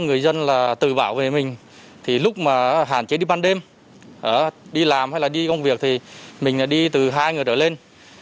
người dân tự bảo về mình lúc mà hạn chế đi ban đêm đi làm hay đi công việc mình đi từ hai người trở lên